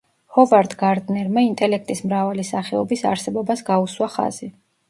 ჰოვარდ გარდნერმა ინტელექტის მრავალი სახეობის არსებობას გაუსვა ხაზი.